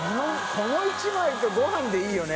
この１枚とご飯でいいよね